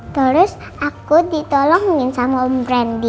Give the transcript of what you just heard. terus aku ditolongin sama om branding